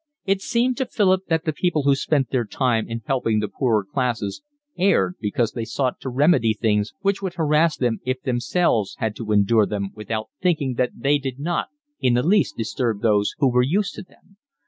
It seemed to Philip that the people who spent their time in helping the poorer classes erred because they sought to remedy things which would harass them if themselves had to endure them without thinking that they did not in the least disturb those who were used to them.